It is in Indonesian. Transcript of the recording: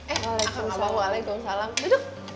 eh assalamualaikum salam duduk